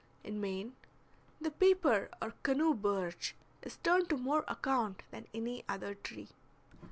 In Maine, the paper or canoe birch is turned to more account than any other tree.